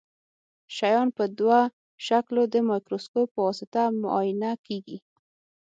شیان په دوه شکلو د مایکروسکوپ په واسطه معاینه کیږي.